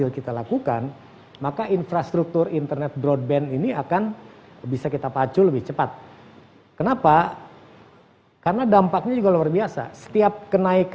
kita akan soal ini pak